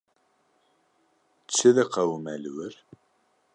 Çi diqewime li wir?